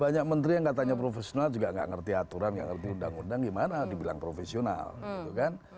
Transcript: banyak menteri yang katanya profesional juga nggak ngerti aturan nggak ngerti undang undang gimana dibilang profesional gitu kan